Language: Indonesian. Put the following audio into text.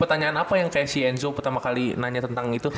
pertanyaan apa yang kayak si enzo pertama kali nanya tentang itu